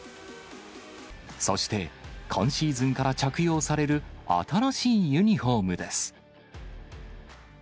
そして、今シーズンから着用される新しいユニホームです。